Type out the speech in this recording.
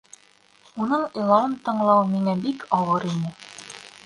Уның илауын тыңлау миңә бик ауыр ине.